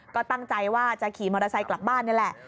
ก็ตั้งใจว่าจะขี่มอเตอร์ไซค์กลับบ้านนี่แหละ